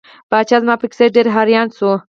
پاچا زما په کیسه ډیر حیران شو.